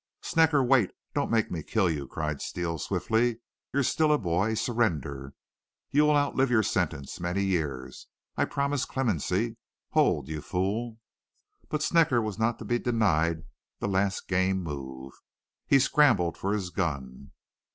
"'Snecker, wait. Don't make me kill you!' cried Steele swiftly. 'You're still a boy. Surrender! You'll outlive your sentence many years. I promise clemency. Hold, you fool!' "But Snecker was not to be denied the last game move. He scrabbled for his gun.